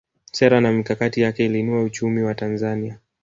sera na mikakati yake iliinua uchumi wa tanzania